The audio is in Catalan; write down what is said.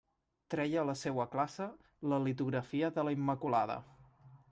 Treia a la seua classe la litografia de la Immaculada.